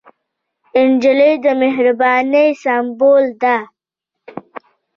نجلۍ د مهربانۍ سمبول ده.